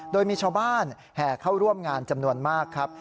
โดยมีชาวบ้านแห่เข้าร่วมงานจำนวนมากครับ